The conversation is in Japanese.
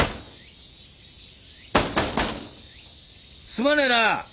すまねえな。